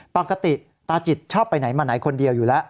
ปกติตาจิตชอบไปไหนมาไหนคนเดียวอยู่แล้ว